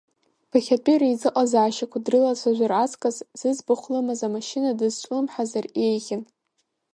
Ԥыхьатәи реизыҟазаашьақәа дрылацәажәар аҵкыс, зыӡбахә лымаз амашьына дазҿлымҳазар еиӷьын.